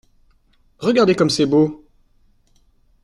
Regardez comme c’est beau !